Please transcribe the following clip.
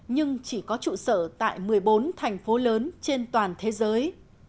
nhưng chỉ có trụ sở tại một mươi bốn thành phố lớn trên toàn thế giới